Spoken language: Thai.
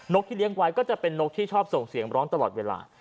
กที่เลี้ยงไว้ก็จะเป็นนกที่ชอบส่งเสียงร้องตลอดเวลา